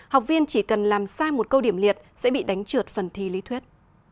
học viên chỉ cần làm sai một câu điểm liệt sẽ bị đánh trượt phần thi lý thuyết